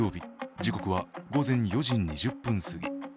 時刻は午前４時２０分すぎ。